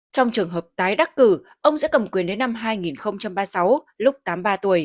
trong trường hợp tái đắc cử ông sẽ cầm quyền đến năm hai nghìn ba mươi